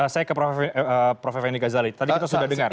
saya ke prof effendi ghazali tadi kita sudah dengar